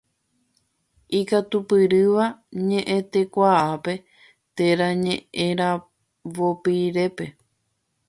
Ikatupyrýva ñeʼẽtekuaápe térã ñeʼẽporavopyrépe.